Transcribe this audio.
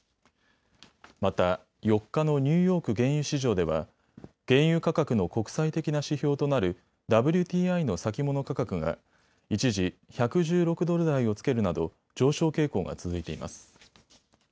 また４日のニューヨーク原油市場では原油価格の国際的な指標となるＷＴＩの先物価格が一時、１１６ドル台をつけるなど上昇傾向が続いています。